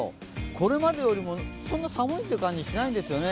これまでよりもそんなに寒いという感じがしないんですよね。